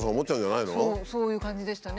そういう感じでしたね。